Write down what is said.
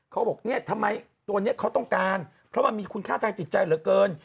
เขาบอกเนี่ยทำไมตัวนี้เขาต้องการเพราะมันมีคุณค่าทางจิตใจเหลือเกิน